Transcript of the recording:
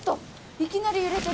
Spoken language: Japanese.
いきなり揺れてる！